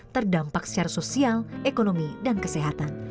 terdampak secara sosial ekonomi dan kesehatan